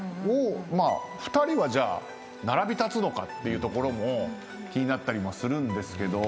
２人は並び立つのかってところも気になったりするんですけど。